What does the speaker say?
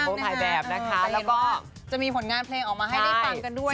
เพราะเห็นว่าจะมีผลงานเพลงออกมาให้ได้ฟังกันด้วย